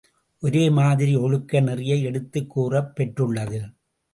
ஒரே மாதிரி ஒழுக்க நெறியை எடுத்துக் கூறப் பெற்றுள்ளது.